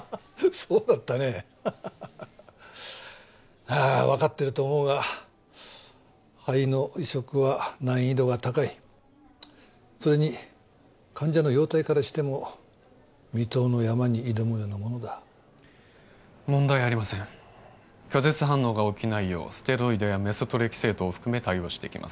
そうだったねハッハッハッハッああ分かってると思うが肺の移植は難易度が高いそれに患者の容体からしても未踏の山に挑むようなものだ問題ありません拒絶反応が起きないようステロイドやメソトレキセートを含め対応していきます